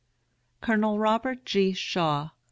COLONEL ROBERT G. SHAW.